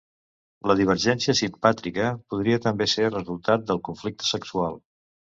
La divergència simpàtrica podria també ser resultat del conflicte sexual.